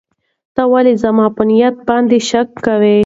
ته ولې زما په نیت باندې شک کوې؟